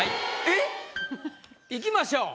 えっ？いきましょう。